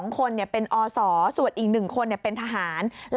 ๒คนเป็นอศส่วนอีก๑คนเป็นทหาร